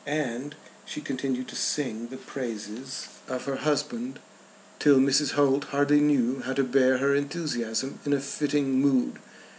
And she continued to sing the praises of her husband till Mrs. Holt hardly knew how to bear her enthusiasm in a fitting mood.